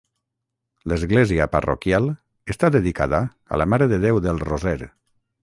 L'església parroquial està dedicada a la Mare de Déu del Roser.